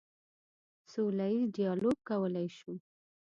سوله ییز ډیالوګ کولی شو.